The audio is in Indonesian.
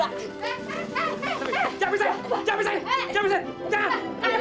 jangan biam kuda